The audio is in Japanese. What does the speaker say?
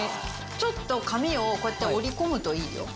ちょっと紙をこうやって折り込むといいよ。